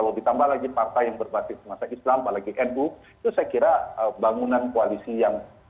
dari dua partai yang berbasis masa islam apalagi nu itu saya kira bangunan koalisi yang pokok